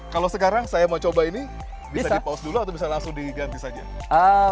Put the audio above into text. kalau sekarang saya mau coba ini bisa dipause dulu atau bisa langsung diganti saja